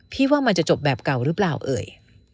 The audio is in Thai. ว่ามันจะจบแบบเก่าหรือเปล่าเอ่ย